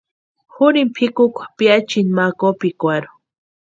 Jurini pʼikukwa piachiani kópikwarhu.